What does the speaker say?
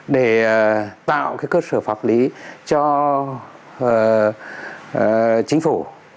để tạo cơ sở pháp lý cho chính phủ